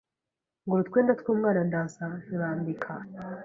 ngura utwenda tw’umwana ndaza nturambika